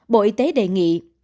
bộ y tế đề nghị